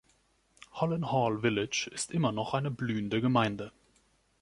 Hollin Hall Village ist immer noch eine blühende Gemeinde